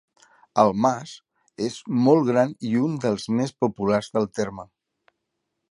El Mas és molt gran i un dels més populars del terme.